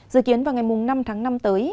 dự kiến vào ngày năm tháng năm tới